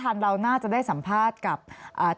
มันเป็นแบบที่สุดท้าย